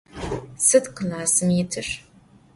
Sıd klassım yitır?